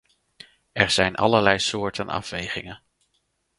Er zijn allerlei soorten afwegingen.